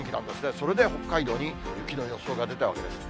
それで北海道に雪の予想が出たわけです。